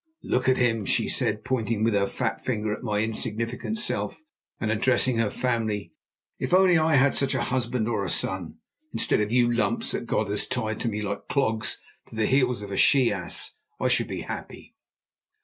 "Look at him," she said, pointing with her fat finger at my insignificant self and addressing her family. "If only I had such a husband or a son, instead of you lumps that God has tied to me like clogs to the heels of a she ass, I should be happy."